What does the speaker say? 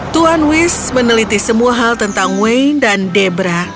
tuan wish meneliti semua hal tentang wayne dan debra